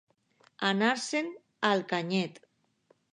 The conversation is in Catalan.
Anar-se'n al canyet.